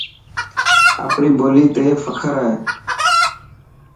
آپري ٻولي تي فخر هي.